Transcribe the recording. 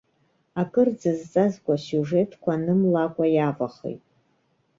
Акырӡа зҵазкуа асиужетқәа анымлакәа иавахеит.